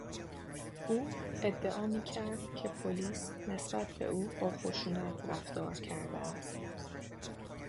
او ادعا میکرد که پلیس نسبت به او با خشونت رفتار کرده است.